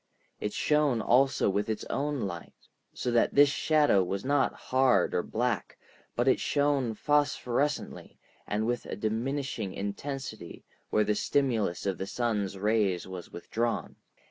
It shone also with its own light, so that this shadow was not hard or black, but it shone phosphorescently and with a diminishing intensity where the stimulus of the sun's rays was withdrawn.